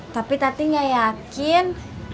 tapi tadi gak yakin